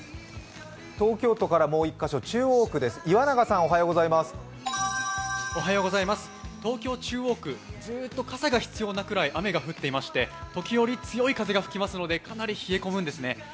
東京都からもう一カ所中央区からです東京・中央区、ずっと傘が必要なくらい雨が降ってまして時折、強い風が吹きますので、かなり冷え込むんですね。